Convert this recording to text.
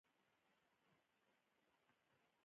د خپلو هڅو په اړه خوشحاله اوسیدل د ژوند کیفیت ښه کوي.